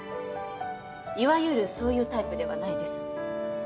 いわゆるそういうタイプではないです